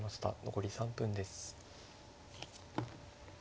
残り３分です。